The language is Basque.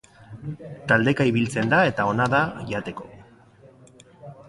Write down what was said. Taldeka ibiltzen da eta ona da jateko.